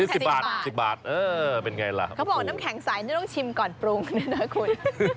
สิบบาทสิบบาทเออเป็นไงล่ะเขาบอกน้ำแข็งใสนี่ต้องชิมก่อนปรุงด้วยนะคุณ